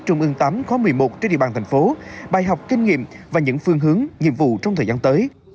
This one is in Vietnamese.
trung ương tám khóa một mươi một trên địa bàn thành phố bài học kinh nghiệm và những phương hướng nhiệm vụ trong thời gian tới